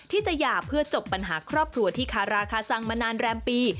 ที่จะหย่าเพื่อจบปัญหาครอบครัวที่คาราคาซังมานานแรมปี